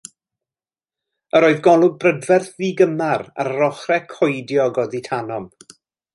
Yr oedd golwg brydferth ddigymar ar yr ochrau coediog oddi tanom.